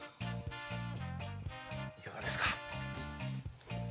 いかがですか？